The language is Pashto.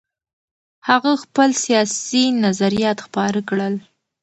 هغه خپل سیاسي نظریات خپاره کړل.